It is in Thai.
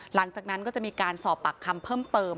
หลังจากนั้นก็จะมีการสอบปากคำเพิ่มเติม